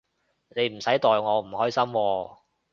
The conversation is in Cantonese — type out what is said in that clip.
你唔使代我唔開心喎